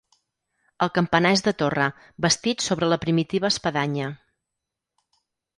El campanar és de torre, bastit sobre la primitiva espadanya.